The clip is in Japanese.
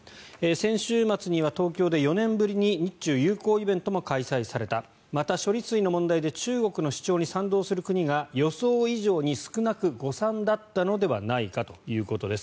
先週末には東京で４年ぶりに日中友好イベントも開催されたまた、処理水の問題で中国の主張に賛同する国が予想以上に少なく誤算だったのではないかということです。